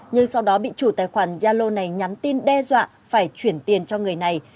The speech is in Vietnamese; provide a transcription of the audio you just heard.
nhưng sau đó bị chủ tài khoản yalo này nhắn tin đe dọa phải chuyển tiền cho người này